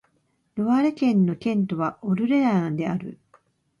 ロワレ県の県都はオルレアンである